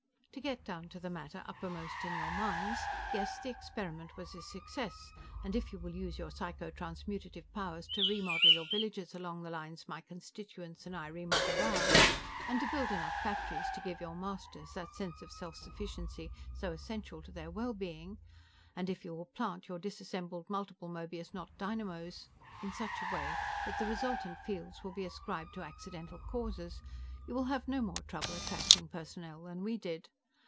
"To get down to the matter uppermost in your minds: Yes, the experiment was a success, and if you will use your psycho transmutative powers to remodel your villages along the lines my constituents and I remodeled ours and to build enough factories to give your 'masters' that sense of self sufficiency so essential to their well being, and if you will 'plant' your disassembled Multiple Möbius Knot Dynamos in such a way that the resultant fields will be ascribed to accidental causes, you will have no more trouble attracting personnel than we did.